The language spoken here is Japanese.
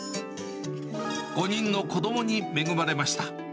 ５人の子どもに恵まれました。